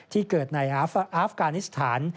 ที่เกิดในอาฟกานิสถาน